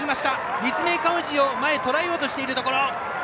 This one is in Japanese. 立命館宇治をとらえようとしているところ。